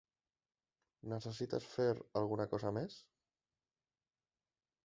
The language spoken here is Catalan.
Necessites fer alguna cosa més?